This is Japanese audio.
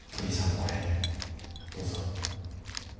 これどうぞ。